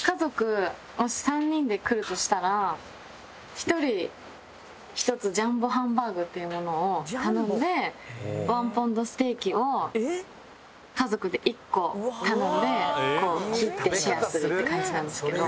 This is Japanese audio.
１人１つジャンボ・ハンバーグっていうものを頼んでワンポンド・ステーキを家族で１個頼んで切ってシェアするって感じなんですけど。